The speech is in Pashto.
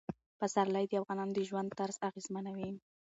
پسرلی د افغانانو د ژوند طرز اغېزمنوي.